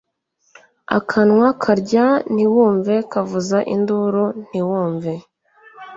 akanwa karya ntiwumve kavuza induru ntiwumve